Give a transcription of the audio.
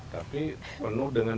tapi penuh dengan